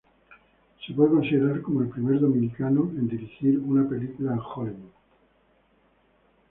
Se puede considerar como el Primer Dominicano en dirigir una película en Hollywood.